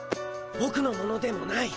ボクのものでもない。